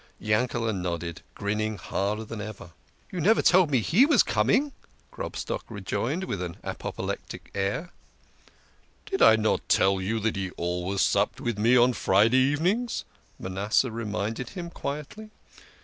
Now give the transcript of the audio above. Yankele" nodded, grinning harder than ever. "You never told me he was coming," Grobstock rejoined, with an apoplectic air. 44 THE KING OF SCHNORRERS. "Did I not tell you that he always supped with me on Friday evenings? " Manasseh reminded him quietly.